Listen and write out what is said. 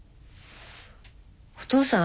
お義父さん